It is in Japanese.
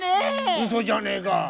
うそじゃねえか。